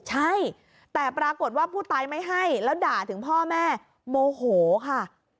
ใช่แต่ปรากฏว่าผู้ตายไม่ให้แล้วด่าถึงพ่อแม่โมโหค่ะ